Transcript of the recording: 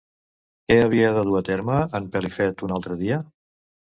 Què havia de dur a terme en Pelifet un altre dia?